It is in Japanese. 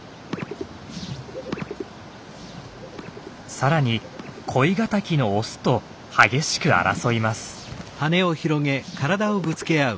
さらに恋敵のオスと激しく争います。